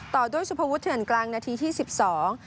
ต่อด้วยสุภวุฒิเถื่อนกลางนาทีที่สิบสอง